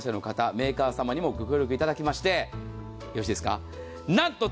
メーカーさまにもご協力いただきましてよろしいですか。